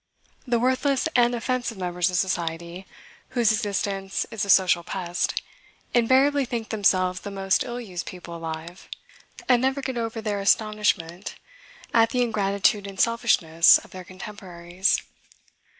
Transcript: The worthless and offensive members of society, whose existence is a social pest, invariably think themselves the most ill used people alive, and never get over their astonishment at the ingratitude and selfishness of their contemporaries.